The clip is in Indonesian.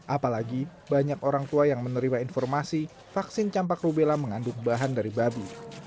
apalagi banyak orang tua yang menerima informasi vaksin campak rubella mengandung bahan dari babi